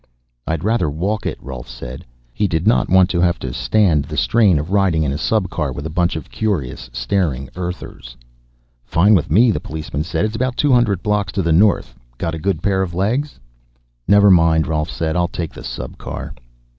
"I'd rather walk it," Rolf said. He did not want to have to stand the strain of riding in a subcar with a bunch of curious staring Earthers. "Fine with me," the policeman said. "It's about two hundred blocks to the north. Got a good pair of legs?" "Never mind," Rolf said. "I'll take the subcar."